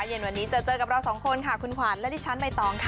เย็นวันนี้เจอเจอกับเราสองคนค่ะคุณขวัญและดิฉันใบตองค่ะ